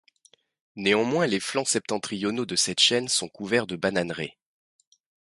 Néanmoins les flancs septentrionaux de cette chaîne sont couverts de bananeraies.